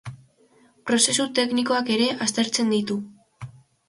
Prozesu tektonikoak ere aztertzen ditu.